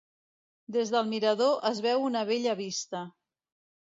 Des del mirador es veu una bella vista.